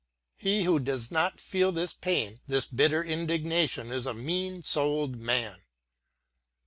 lie who docs not feel this pain, — this bitter indignation, is a mean souled man.